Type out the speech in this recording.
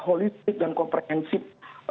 politik dan komprehensif